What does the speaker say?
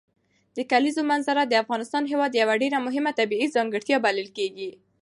د کلیزو منظره د افغانستان هېواد یوه ډېره مهمه طبیعي ځانګړتیا بلل کېږي.